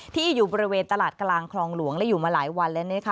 ที่อยู่บริเวณตลาดกลางคลองหลวงและอยู่มาหลายวันแล้ว